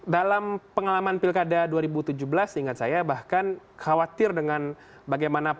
dalam pengalaman pilkada dua ribu tujuh belas ingat saya bahkan khawatir dengan bagaimana proses penegakan hukum itu akan menjadi apa